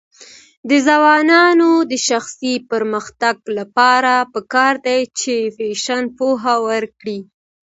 د ځوانانو د شخصي پرمختګ لپاره پکار ده چې فیشن پوهه ورکړي.